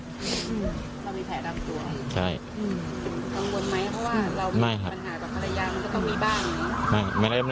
คือเรามีแผลตามตัวกังวลไหมเพราะว่าเรามีปัญหากับภรรยามันก็ต้องมีบ้าง